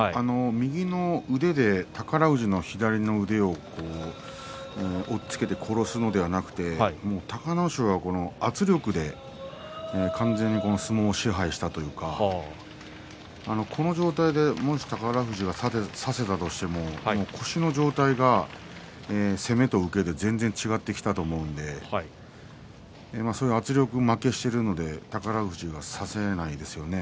右の腕で宝富士の左の腕を押っつけて殺すのではなくて隆の勝は圧力で完全に相撲を押し返したというかこの状態で、もし宝富士が差せたとしても腰の状態が攻めと受けで違っていたと思いますので圧力負けしてるので宝富士は差せないですよね。